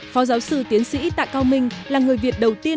phó giáo sư tiến sĩ tạ cao minh là người việt đầu tiên